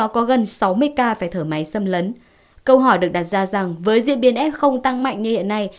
có gần sáu mươi ca phải thở máy xâm lấn câu hỏi được đặt ra rằng với diễn biến f tăng mạnh như hiện nay